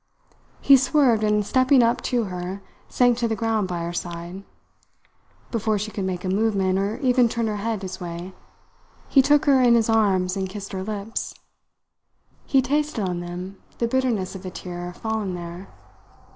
He swerved and, stepping up to her, sank to the ground by her side. Before she could make a movement or even turn her head his way, he took her in his arms and kissed her lips. He tasted on them the bitterness of a tear fallen there.